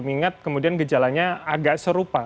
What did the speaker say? mengingat kemudian gejalanya agak serupa